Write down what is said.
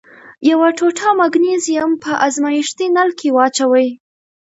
یوه ټوټه مګنیزیم په ازمیښتي نل کې واچوئ.